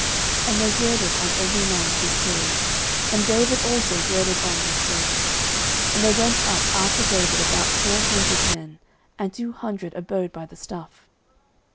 And they girded on every man his sword; and David also girded on his sword: and there went up after David about four hundred men; and two hundred abode by the stuff.